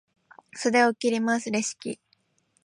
袖を切ります、レシキ。